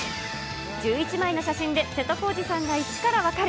１１枚の写真で瀬戸康史さんが１から分かる！